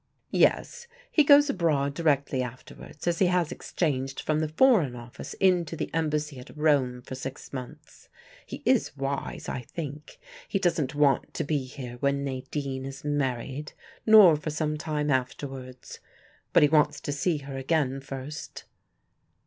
"Yes. He goes abroad directly afterwards, as he has exchanged from the Foreign Office into the Embassy at Rome for six months. He is wise, I think. He doesn't want to be here when Nadine is married, nor for some time afterwards. But he wants to see her again first."